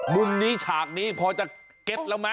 มุมนี้ฉากนี้พอจะเก็ตแล้วไหม